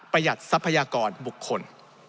ประหยัดทรัพยากรบุคคล